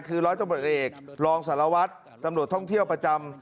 คือร้อยตำรวจเอกรองสารวัตรตำรวจท่องเที่ยวประจำ